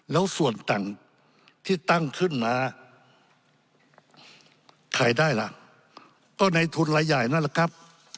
แล้วส่วนต่างที่ตั้งขึ้นมาใครได้ล่ะก็ในทุนรายใหญ่นั่นแหละครับ